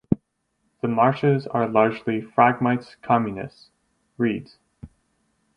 The marshes are largely Phragmites communis (reeds).